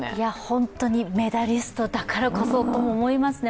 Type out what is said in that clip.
本当にメダリストだからこそとも思いますね。